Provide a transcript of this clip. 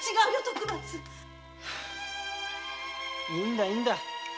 いいんだいいんだ。